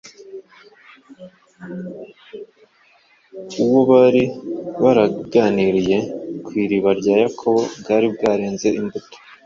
uwo bari baraganiriye ku iriba rya Yakobo bwari bwareze imbuto.